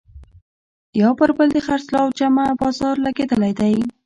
یو پر بل د خرڅلاو جمعه بازار لګېدلی دی.